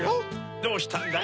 どうしたんだい？